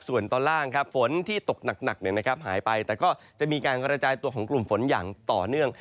ส่วนตอนล่างฝนที่ตกหนักหายไปแต่ก็จะมีการกระจายตัวของกลุ่มฝนอย่างต่อเนื่อง